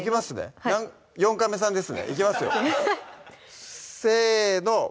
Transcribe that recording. はい４カメさんですねいきますよせーの！